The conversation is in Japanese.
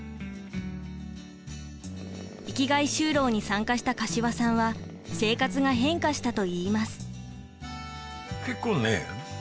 生きがい就労に参加した柏さんは生活が変化したといいます。